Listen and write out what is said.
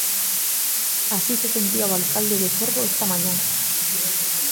Así se sentía o alcalde de Cervo esta mañá.